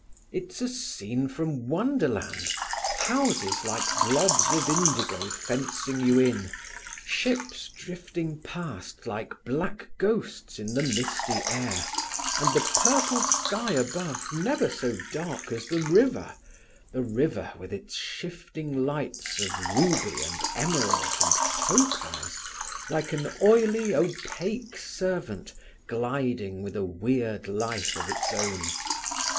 It's a scene from wonderland; houses like blobs of indigo fencing you in; ships drifting past like black ghosts in the misty air, and the purple sky above never so dark as the river, the river with its shifting lights of ruby and emerald and topaz, like an oily, opaque serpent gliding with a weird life of its own....